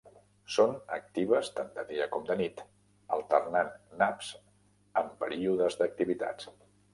Són actives tant de dia com de nit, alternant naps amb períodes d'activitat.